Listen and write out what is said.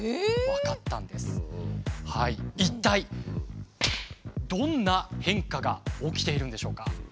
一体どんな変化が起きているんでしょうか？